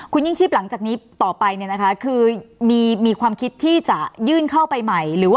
คุณยิ่งชีพหลังจากนี้ต่อไปคือมีความคิดที่จะยื่นเข้าไปใหม่